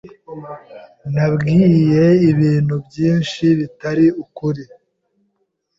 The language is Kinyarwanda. Nabwiye ibintu byinshi bitari ukuri.